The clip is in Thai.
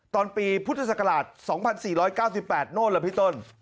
ตอนปีพุทธศักราช๒๔๙๘โนลพิตน